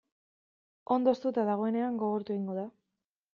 Ondo hoztuta dagoenean gogortu egingo da.